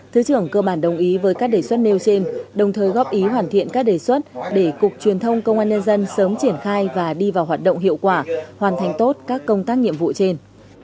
thứ trưởng cơ bản đồng ý với các đề xuất nêu trên đồng thời góp ý hoàn thiện các đề xuất để cục truyền thông công an nhân dân sớm triển khai và đi vào hoạt động hiệu quả hoàn thành tốt các công tác nhiệm vụ trên